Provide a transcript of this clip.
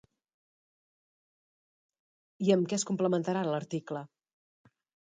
I amb què es complementarà l'article?